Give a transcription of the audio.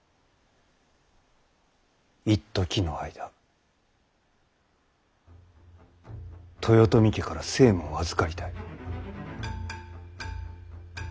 いっときの間豊臣家から政務を預かりたい。